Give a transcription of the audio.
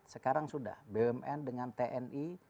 sekarang sudah bumn dengan tni